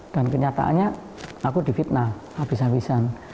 dan kenyataannya aku di fitnah habis habisan